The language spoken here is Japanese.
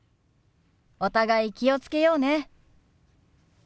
お互い気をつけようね。